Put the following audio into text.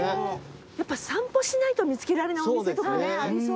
やっぱ散歩しないと見つけられないお店とかねありそう。